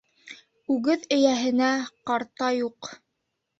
Үгеҙ эйәһенә ҡарта юҡ.